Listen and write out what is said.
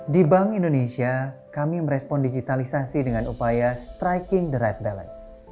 di bank indonesia kami merespon digitalisasi dengan upaya striking the ride balance